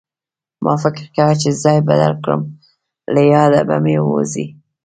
ما فکر کوه چې ځای بدل کړم له ياده به مې ووځي